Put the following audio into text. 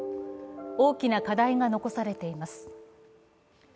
大きな課題が残されています。